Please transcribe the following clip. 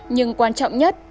nhưng quan trọng nhất